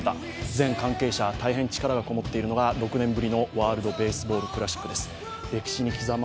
全関係者、大変力がこもっているのが６年ぶりのワールドボースベールクラシックです。